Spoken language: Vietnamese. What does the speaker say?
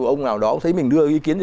ông nào đó thấy mình đưa ý kiến gì